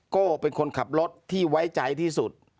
โก้เป็นคนขับรถที่ไว้ใจที่สุด